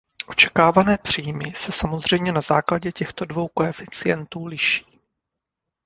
Očekávané příjmy se samozřejmě na základě těchto dvou koeficientů liší.